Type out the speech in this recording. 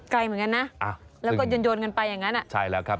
ไกลเหมือนกันนะแล้วก็โยนกันไปอย่างนั้นอ่ะใช่แล้วครับ